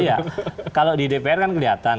iya kalau di dpr kan kelihatan